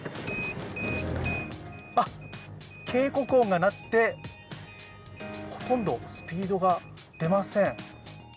あっ、警告音が鳴って、ほとんどスピードが出ません。